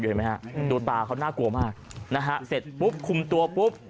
เห็นไหมฮะดูตาเขาน่ากลัวมากนะฮะเสร็จปุ๊บคุมตัวปุ๊บ